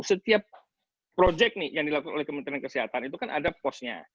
setiap project nih yang dilakukan oleh kementerian kesehatan itu kan ada posnya